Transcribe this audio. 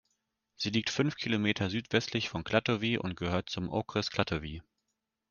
Sie liegt fünf Kilometer südwestlich von Klatovy und gehört zum Okres Klatovy.